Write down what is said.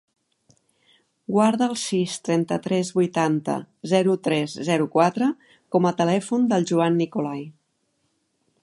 Guarda el sis, trenta-tres, vuitanta, zero, tres, zero, quatre com a telèfon del Juan Nicolae.